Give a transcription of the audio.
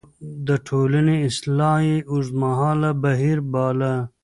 د ټولنې اصلاح يې اوږدمهاله بهير باله.